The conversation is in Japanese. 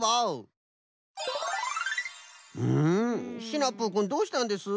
シナプーくんどうしたんです？